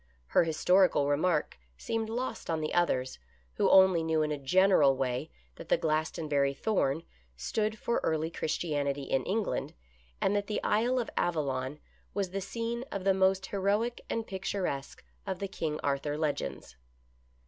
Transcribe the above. Her his torical remark seemed lost on the others, who only knew in a general way that the Glastonbury Thorn stood for early Christianity in England, and that the Isle of Avallon was the scene of the most heroic and pictur esque of the King Arthur legends.